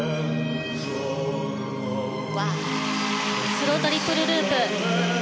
スロートリプルループ。